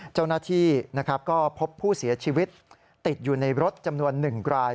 เจ้าหน้าที่ก็พบผู้เสียชีวิตติดอยู่ในรถจำนวน๑ราย